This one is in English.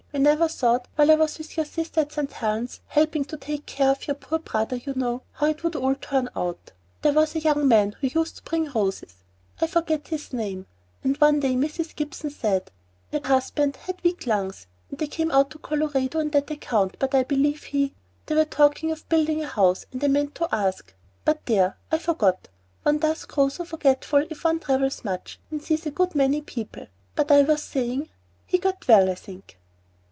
we never thought while I was with your sister at St. Helen's, helping to take care of your poor brother, you know, how it would all turn out. There was a young man who used to bring roses, I forget his name, and one day Mrs. Gibson said Her husband had weak lungs and they came out to Colorado on that account, but I believe he They were talking of building a house, and I meant to ask But there, I forgot; one does grow so forgetful if one travels much and sees a good many people; but as I was saying he got well, I think."